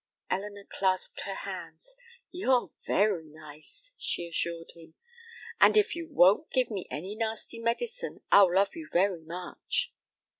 Elinor clasped her hands. "You're very nice," she assured him. "And if you won't give me any nasty medicine, I'll love you very much."